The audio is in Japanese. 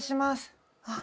あっ。